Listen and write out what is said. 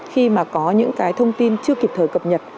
khi mà có những cái thông tin chưa kịp thời cập nhật